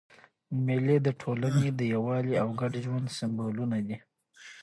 مېلې د ټولني د یووالي او ګډ ژوند سېمبولونه دي.